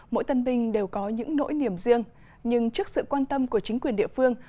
mỗi tân binh đều có những nỗi niềm riêng nhưng trước sự quan tâm của chính quyền địa phương